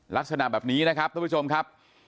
ลักษณะแบบนี้นะครับทุกผู้ชมครับ